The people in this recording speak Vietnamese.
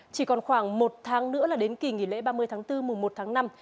chỉ còn khoảng một tháng nữa là đến kỳ nghỉ lễ ba mươi tháng bốn mùa một